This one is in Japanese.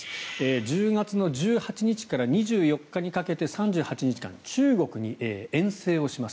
１０月１８日から２４日にかけて３８日間中国に遠征をします。